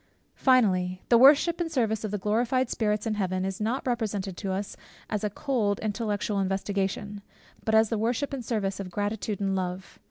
Finally The worship and service of the glorified spirits in Heaven, is not represented to us a cold intellectual investigation, but as the worship and service of gratitude and love.